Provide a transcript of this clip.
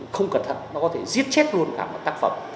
không cẩn thận nó có thể giết chết luôn cả một tác phẩm